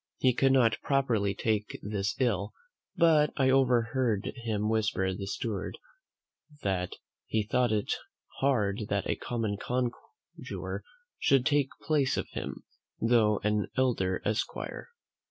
He could not properly take this ill, but I overheard him whisper the steward, "that he thought it hard that a common conjuror should take place of him, though an elder esquire."